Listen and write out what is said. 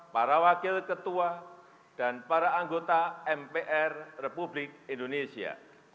yang saya hormati bapak ketua para wakil ketua dan para anggota mpr republik indonesia